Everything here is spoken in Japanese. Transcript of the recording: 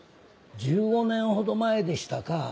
１５年ほど前でしたか